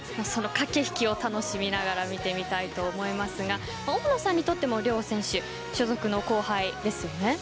駆け引きを楽しみながら見てみたいと思いますが大野さんにとっても両選手、所属の後輩ですよね。